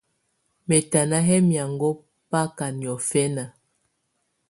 Mɛ̀tana yɛ̀ miaŋgɔ̀á bakà niɔ̀fɛ̀na.